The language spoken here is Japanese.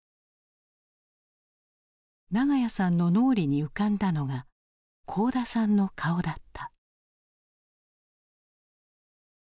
長屋さんの脳裏に浮かんだのが幸田さんの顔だった。